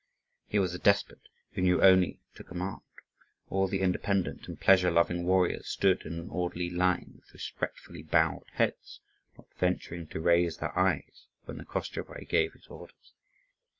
He was a despot, who know only to command. All the independent and pleasure loving warriors stood in an orderly line, with respectfully bowed heads, not venturing to raise their eyes, when the Koschevoi gave his orders.